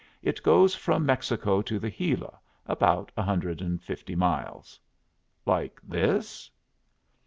"It goes from Mexico to the Gila, about a hundred and fifty miles." "Like this?"